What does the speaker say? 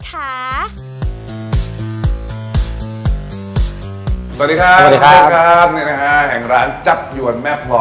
สวัสดีครับฮ่อยร้านจับยวนแม่พลอยนะครับ